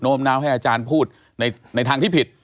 มน้าวให้อาจารย์พูดในทางที่ผิด